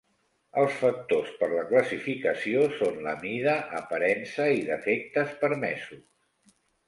Els factors per la classificació són la mida, aparença i defectes permesos.